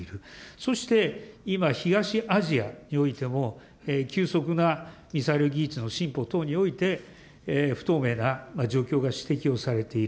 そして今、東アジアにおいても、急速なミサイル技術の進歩等において、不透明な状況が指摘をされている。